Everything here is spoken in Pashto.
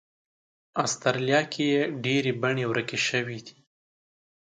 استرالیا کې یې ډېرې بڼې ورکې شوې.